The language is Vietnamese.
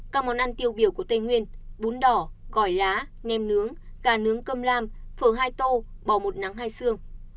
các món ăn tiêu biểu của tây nguyên bún đỏ gỏi lá nem nướng cà nướng cơm lam phường hai tô bò một nắng hai xương